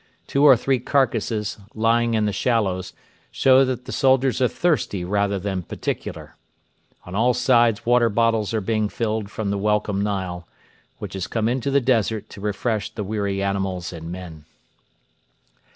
Two or three carcasses, lying in the shallows, show that the soldiers are thirsty rather than particular. On all sides water bottles are being filled from the welcome Nile, which has come into the desert to refresh the weary animals and men.